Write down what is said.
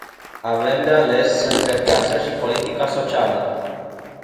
Avem de ales între piață și politica socială.